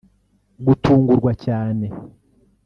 gutungurwa cyane